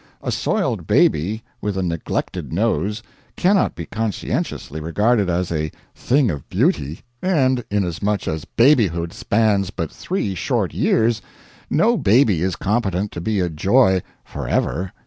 A soiled baby, with a neglected nose, cannot be conscientiously regarded as a thing of beauty; and inasmuch as babyhood spans but three short years, no baby is competent to be a joy "forever."